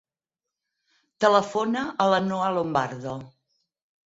Telefona a la Noha Lombardo.